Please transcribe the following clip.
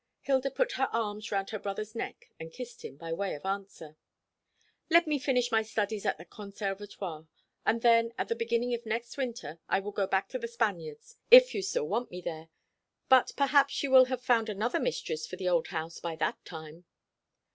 Hilda put her arms round her brother's neck and kissed him, by way of answer. "Let me finish my studies at the Conservatoire; and then, at the beginning of next winter, I will go back to The Spaniards, if you still want me there. But perhaps you will have found another mistress for the old house before that time."